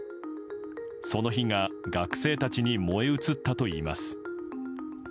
その火が学生たちに燃え移ったといいます。